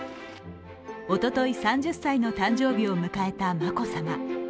おととい、３０歳の誕生日を迎えた眞子さま。